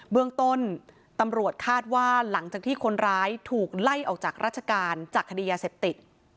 เบื้องต้นตำรวจคาดว่าหลังจากที่คนร้ายถูกไล่ออกจากราชการจากคดียาเสพติด